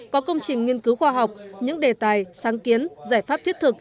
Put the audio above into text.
có công trình nghiên cứu khoa học những đề tài sáng kiến giải pháp thiết thực